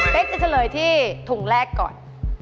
เป็นจะเฉลยที่ถุงแรกก่อน